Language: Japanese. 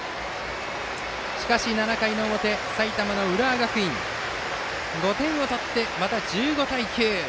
しかし７回の表、埼玉・浦和学院５点を取ってまた１５対９。